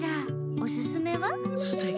おすすめは？